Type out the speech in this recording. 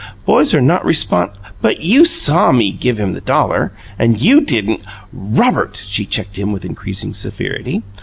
Boys are not respon " "But you saw me give him the dollar, and you didn't " "Robert!" she checked him with increasing severity.